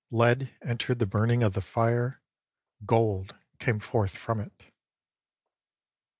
Lead entered the burning of the fire, gold came forth from it.